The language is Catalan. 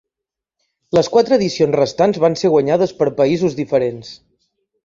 Les quatre edicions restants van ser guanyades per països diferents.